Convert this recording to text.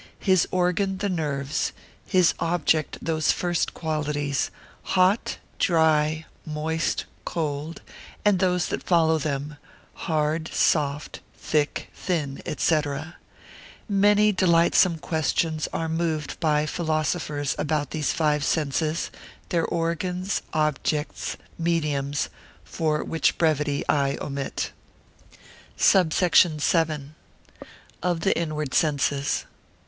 His organ the nerves; his object those first qualities, hot, dry, moist, cold; and those that follow them, hard, soft, thick, thin, &c. Many delightsome questions are moved by philosophers about these five senses; their organs, objects, mediums, which for brevity I omit. SUBSECT. VII.—_Of the Inward Senses.